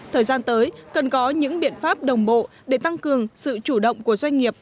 thời gian tới cần có những biện pháp đồng bộ để tăng cường sự chủ động của doanh nghiệp